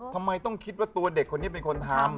ทำไมต้องคิดว่าตัวเด็กคนนี้เป็นคนทำ